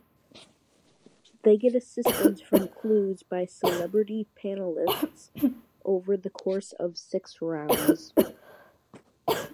They get assistance from clues by "celebrity panelists" over the course of six rounds.